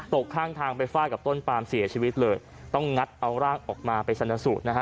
ตกข้างทางไปฟาดกับต้นปามเสียชีวิตเลยต้องงัดเอาร่างออกมาไปชนสูตรนะฮะ